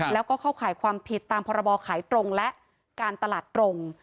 แล้วก็เข้าข่ายความผิดตามพรบขายตรงและการตลาดตรง